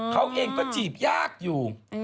เขาเองก็จีบยากอยู่